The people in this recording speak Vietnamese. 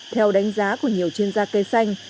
theo đánh giá của nhiều chuyên gia cây xanh